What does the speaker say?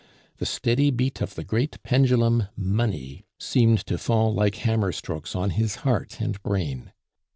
The steady beat of the great pendulum, Money, seemed to fall like hammer strokes on his heart and brain.